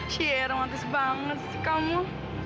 gampang banget sih kamu